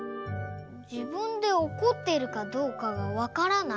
じぶんでおこってるかどうかがわからない？